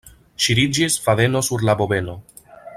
Ŝiriĝis fadeno sur la bobeno.